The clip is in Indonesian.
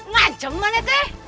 ngancam mana teh